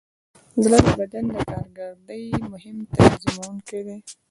زړه د بدن د کارکردګۍ مهم تنظیموونکی دی.